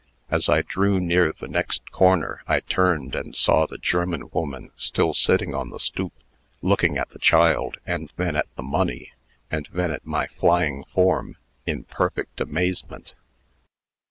As I drew near the next corner, I turned, and saw the German woman still sitting on the stoop, looking at the child, and then at the money, and then at my flying form, in perfect amazement.